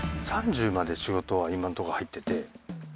３０まで仕事は今のとこ入ってて。